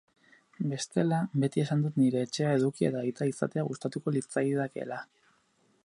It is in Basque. Bestela, beti esan dut nire etxea eduki eta aita izatea gustatuko litzaidakeela.